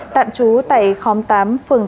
tạm trú tại khóm tám phường tám